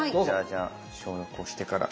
じゃあ消毒をしてから。